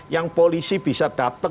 yang polisi bisa dateng